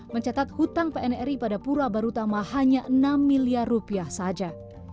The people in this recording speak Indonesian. mencatat hutang pnri pada pura barutama hanya enam miliar rupiah saja